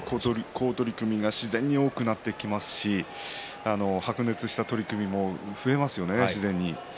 好取組が自然と多くなってきますし白熱した取組が増えていきますよね、自然に。